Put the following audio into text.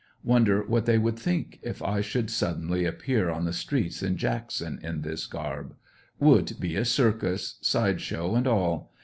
Wonder what they would think if I should suddenly appear on the streets in Jackson in this garb. Would be a circus; side show and all.